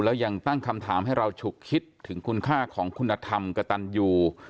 แล้วยังตั้งคำถามให้เราฉุกคิดถึงคุณค่าของคุณธรรมกระตันยู